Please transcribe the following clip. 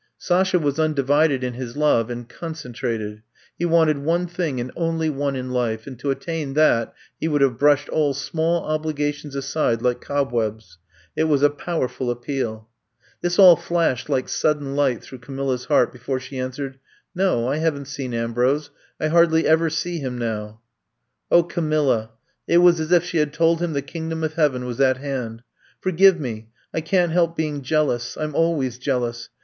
Sasha was undivided in his love and con centrated. He wanted one thing and only one in life and to attain that he would have brushed all small obligations aside like cob webs. It was a powerful appeal. This all flashed like sudden light through Camilla 's heart before she answered :No, I have n 't seen Ambrose. I hardly ever see him now. ^' *^0h, Camilla!" It was as if she had told him the kingdom of heaven was at hand. Forgive me. I can^t help being jealous ; I 'm always jealous.